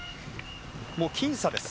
もう僅差です。